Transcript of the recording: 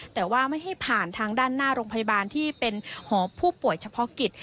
แต่ว่าไม่ให้ผ่านทางด้านหน้าโรงพยาบาลที่เป็นหอผู้ป่วยเฉพาะกิจ